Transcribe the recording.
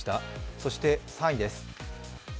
そして３位です。